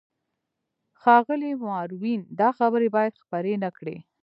ښاغلی ماروین، دا خبرې باید خپرې نه کړې.